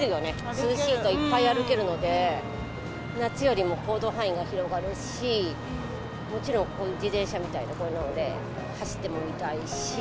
涼しいといっぱい歩けるので、夏よりも行動範囲が広がるし、もちろんこういう自転車みたいなので走ってもみたいし。